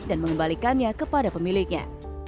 dan mengembalikannya kepada pemiliknya